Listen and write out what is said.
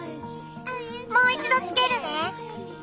もう一度つけるね。